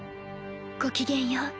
ごきげんよう。